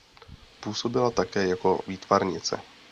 Působila také jako výtvarnice.